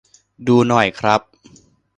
ดูหน่อยครับ